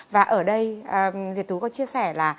và ở đây việt thú có chia sẻ là